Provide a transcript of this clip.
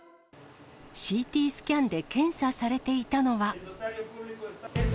ＣＴスキャンで検査されていたのは。